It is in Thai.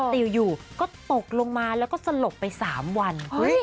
แต่อยู่ก็ตกลงมาแล้วก็สลบไป๓วัน